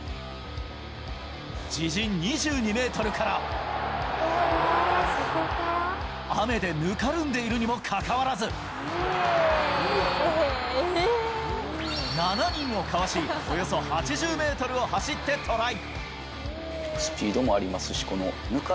自陣２２ｍから、雨でぬかるんでいるにもかかわらず、７人をかわし、およそ８０ｍを走ってトライ。